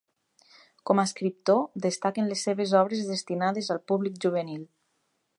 Com a escriptor, destaquen les seves obres destinades al públic juvenil.